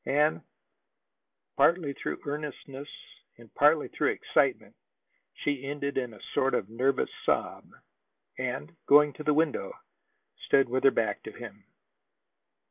And, partly through earnestness and partly through excitement, she ended in a sort of nervous sob, and, going to the window, stood with her back to him.